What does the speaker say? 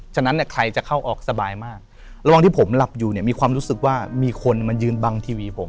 ฉะนั้นเนี่ยใครจะเข้าออกสบายมากระหว่างที่ผมหลับอยู่เนี่ยมีความรู้สึกว่ามีคนมายืนบังทีวีผม